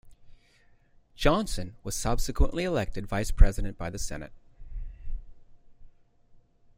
Johnson was subsequently elected Vice President by the Senate.